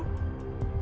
bữa cơm vẫn còn đó